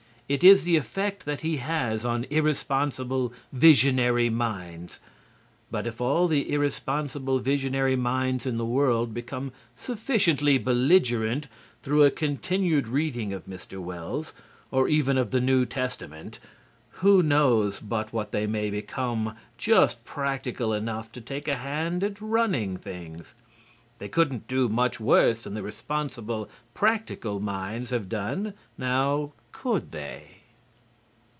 It is the effect that he has on irresponsible, visionary minds. But if all the irresponsible, visionary minds in the world become sufficiently belligerent through a continued reading of Mr. Wells, or even of the New Testament, who knows but what they may become just practical enough to take a hand at running things? They couldn't do much worse than the responsible, practical minds have done, now, could they?